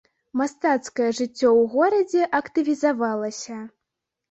Мастацкае жыццё ў горадзе актывізавалася.